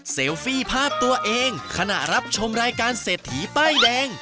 ฟี่ภาพตัวเองขณะรับชมรายการเศรษฐีป้ายแดง